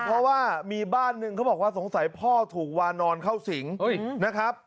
เพราะว่ามีบ้านหนึ่งเขาบอกว่าสงสัยพ่อถูกวานอนเข้าสิงนะครับ